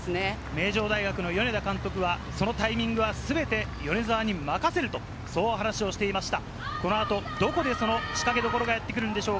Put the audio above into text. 名城大学の米田監督はそのタイミングは全て米澤に任せると話をしていました。